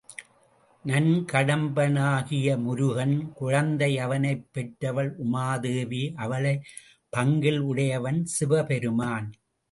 நன்கடம்பனாகிய முருகன் குழந்தை அவனைப் பெற்றவள் உமாதேவி அவளைப் பங்கில் உடையவன் சிவபெருமான்.